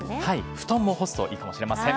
布団も干すといいかもしれません。